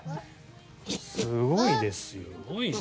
すごいですよ。